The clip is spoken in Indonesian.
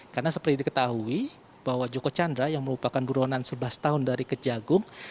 karena seperti diketahui bahwa joko chandra yang merupakan buruanan sebelas tahun dari kejagung